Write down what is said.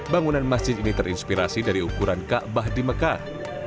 bangunan masjid ini terinspirasi dari ukuran kaabah di mekah